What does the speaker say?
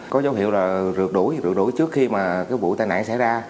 có dấu hiệu là rượt đuổi rượt đuổi trước khi mà cái vụ tai nạn xảy ra